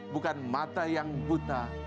bukan mata yang buta